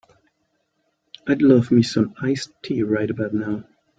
I'd love me some iced tea right about now.